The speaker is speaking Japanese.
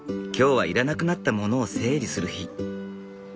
今日は要らなくなったものを整理する日。